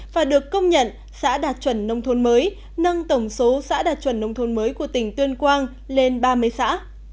và được công nhận xã đạt chuẩn nông thôn mới nâng tổng số xã đạt chuẩn nông thôn mới của tỉnh tuyên quang lên ba mươi xã